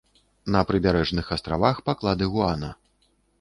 На прыбярэжных астравах паклады гуана.